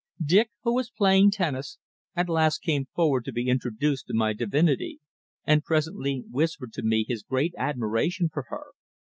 Dick, who was playing tennis, at last came forward to be introduced to my divinity, and presently whispered to me his great admiration for her.